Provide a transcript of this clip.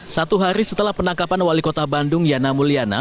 satu hari setelah penangkapan wali kota bandung yana mulyana